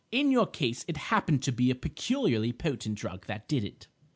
In your case it happened to be a peculiarly potent drug that did it.